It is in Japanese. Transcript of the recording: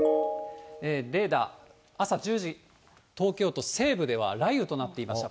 レーダー、朝１０時、東京都西部では雷雨となっていました。